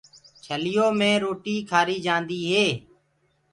ڇليو مي روٽيٚ کآريٚ جآنٚديٚ هي